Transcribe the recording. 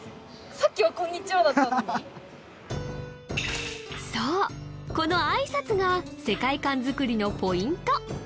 さっきは「こんにちは」だったのにそうこのあいさつが世界観作りのポイント！